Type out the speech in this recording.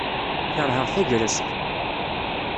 Kerheɣ tagrest.